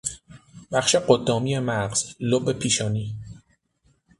بخش قدامی مغز، لب پیشانی